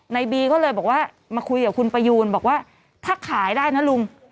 ในบีก็เลยบอกว่ามาคุยกับคุณประยูนบอกว่าถ้าขายได้นะลุง